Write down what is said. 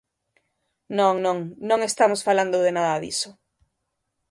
Non, non, non estamos falando de nada diso.